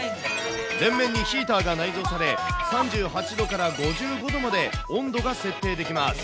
前面にヒーターが内蔵され、３８度から５５度まで温度が設定できます。